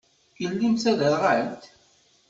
Yelli-m d taderɣalt?